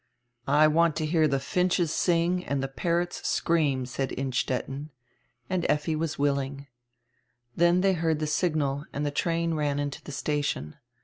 "I want to hear die finches sing and die parrots scream," said Innstetten, and Effi was willing. Then diey heard die signal and die train ran into the station.